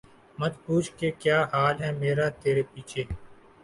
مت پوچھ کہ کیا حال ہے میرا ترے پیچھے